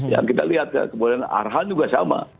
ya kita lihat ya kemudian arhan juga sama